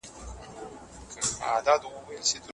دا پروسه به د ملي عاید کچه لوړه کړي.